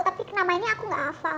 tapi namanya aku nggak hafal